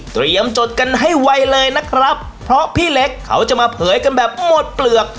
จดกันให้ไวเลยนะครับเพราะพี่เล็กเขาจะมาเผยกันแบบหมดเปลือก